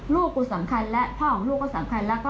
ลูกกูสำคัญและพ่อของลูกก็สำคัญแล้วก็